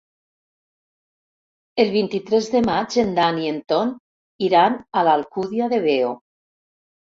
El vint-i-tres de maig en Dan i en Ton iran a l'Alcúdia de Veo.